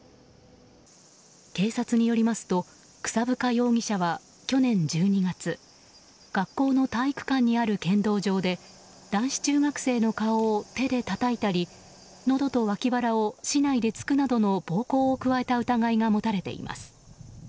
警察によりますと草深容疑者は去年１２月学校の体育館にある剣道場で男子中学生の顔を手でたたいたり、のどと脇腹を竹刀で突くなどの暴行を加えた疑いが持たれています。